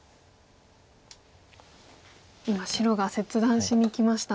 今白が切断しにきました。